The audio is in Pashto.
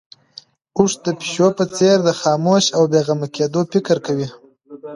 اوښ د پيشو په څېر د خاموش او بې غمه کېدو فکر کوي.